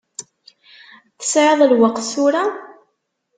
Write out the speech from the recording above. Tesεiḍ lweqt tura?